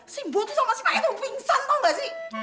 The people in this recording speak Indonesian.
si mbok tuh sama sama itu pingsan tau gak sih